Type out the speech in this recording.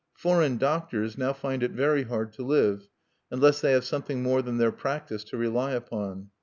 Foreign doctors now find it very hard to live, unless they have something more than their practice to rely upon.